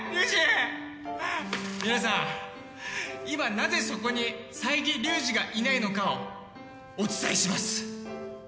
今なぜそこに佐伯竜二がいないのかをお伝えします！